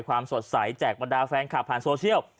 ความสดใสแจกบรรดาแฟนคลับผ่านโซเชียล